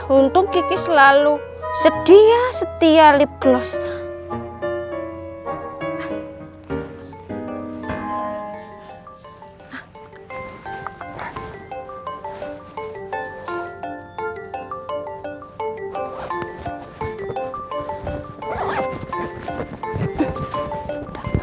nah untung kiki selalu sedia setia lipgloss